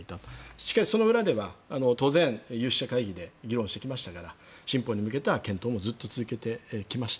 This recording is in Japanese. しかし、その裏では当然、有識者会議もやっていましたから新法に向けた会議もずっと続けてきました。